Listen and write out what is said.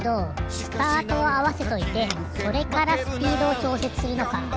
スタートをあわせといてそれからスピードをちょうせつするのか。